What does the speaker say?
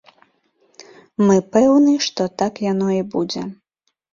Мы пэўны, што так яно і будзе.